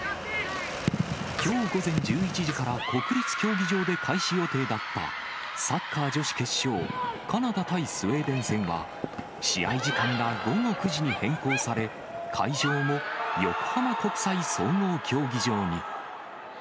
きょう午前１１時から国立競技場で開始予定だった、サッカー女子決勝、カナダ対スウェーデン戦は、試合時間が午後９時に変更され、会場も横浜国際総合競技場に。